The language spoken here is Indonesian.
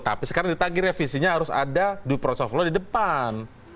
tapi sekarang ditanggil ya visinya harus ada di proses of law di depan